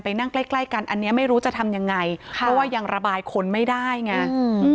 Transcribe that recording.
นั่งใกล้ใกล้กันอันนี้ไม่รู้จะทำยังไงค่ะเพราะว่ายังระบายคนไม่ได้ไงอืม